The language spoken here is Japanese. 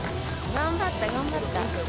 頑張った頑張った。